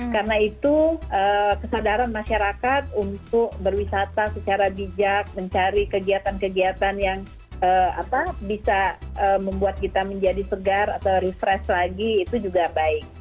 karena itu kesadaran masyarakat untuk berwisata secara bijak mencari kegiatan kegiatan yang bisa membuat kita menjadi segar atau refresh lagi itu juga baik